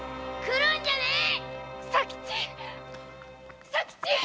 来るんじゃねぇ！